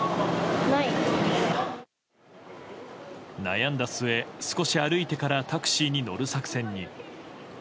悩んだ末、少し歩いてからタクシーに乗る作戦に。